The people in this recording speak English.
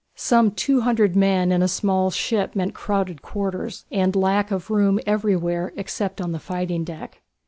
Some two hundred men in a small ship meant crowded quarters, and lack of room everywhere except on the fighting deck.